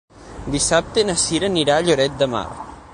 Dissabte na Cira anirà a Lloret de Mar.